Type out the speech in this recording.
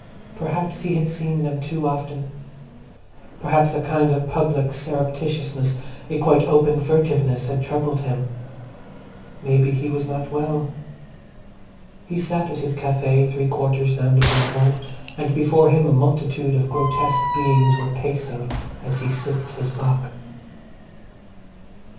Perhaps he had seen them too often. Perhaps a kind of public surreptitiousness, a quite open furtiveness, had troubled him. Maybe he was not well. He sat at his Café, three quarters down the Boulevard, and before him a multitude of grotesque beings were pacing as he sipped his bock.